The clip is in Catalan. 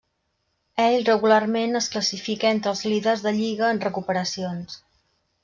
Ell regularment es classifica entre els líders de lliga en recuperacions.